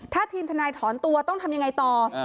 ถ้าทีมทนายถอนตัวต้องทำยังไงต่อ